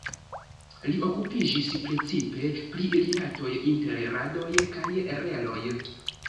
Li okupiĝis precipe pri rilatoj inter radoj kaj reloj.